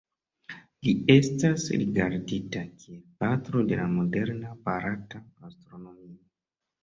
Li estas rigardita kiel "Patro de la moderna barata astronomio".